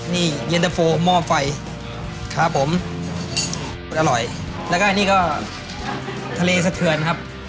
นี่เย็นตะโฟหม้อไฟครับผมมันอร่อยแล้วก็อันนี้ก็ทะเลสะเทือนครับ